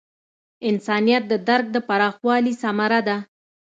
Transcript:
انسانیت د درک د پراخوالي ثمره ده.